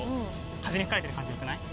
風に吹かれてる感じよくない？